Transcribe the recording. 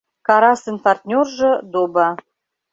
Карасын партнёржо — Доба.